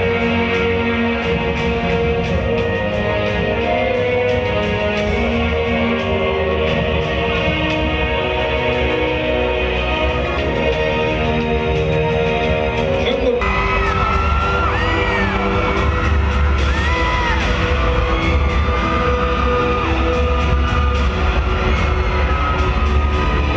เมื่อเวลาอันดับสุดท้ายมันกลายเป้าหมายเป้าหมาย